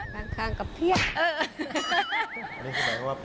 บางครั้งกับเพียะ